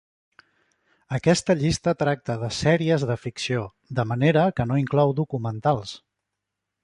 Aquesta llista tracta de sèries de ficció, de manera que no inclou documentals.